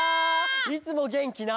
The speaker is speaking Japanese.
いつもげんきな。